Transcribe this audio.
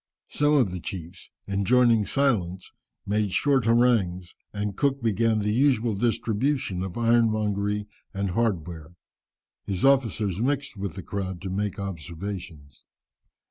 Some of the chiefs, enjoining silence, made short harangues, and Cook began the usual distribution of ironmongery and hardware. His officers mixed with the crowd to make observations.